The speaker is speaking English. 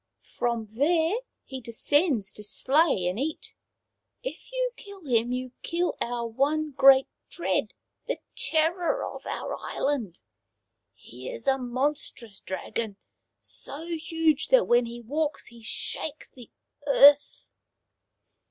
" From there he descends to slay and eat. If you kill him you kill our one great dread, the terror of our island. He is a monstrous dragon, so huge that when he walks he shakes the earth."